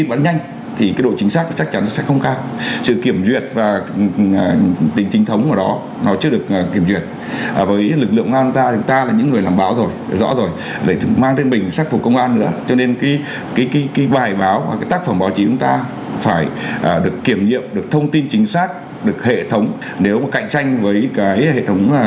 vậy thì đồng chí có chia sẻ gì đối với những người làm báo trong lực lượng công an nhân dân ạ